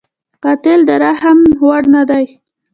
قاتل د رحم وړ نه دی